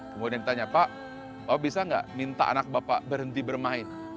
kemudian ditanya pak oh bisa nggak minta anak bapak berhenti bermain